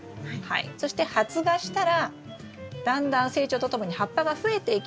そして発芽したらだんだん成長とともに葉っぱが増えていきます。